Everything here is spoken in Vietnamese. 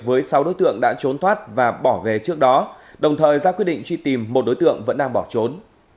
với sáu đối tượng đã trốn thoát và bỏ về trước đó đồng thời ra quyết định truy tìm một đối tượng vẫn đang bỏ trốn